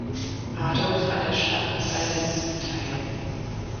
Adolf an der Schlacht bei Lützen teil.